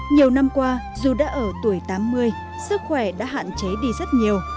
nhiều năm qua dù đã ở tuổi tám mươi sức khỏe đã hạn chế đi rất nhiều